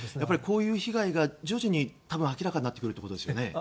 こういう被害が徐々に明らかになってくるということですよね。